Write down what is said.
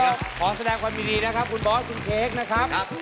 แล้วก็ขอแสดงความมีดีนะครับคุณบอสคุณเทคนะครับ